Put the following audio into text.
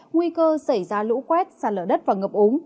nguy cơ xảy ra lũ quét xa lở đất và ngập úng